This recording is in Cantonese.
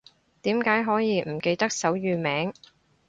點解可以唔記得手語名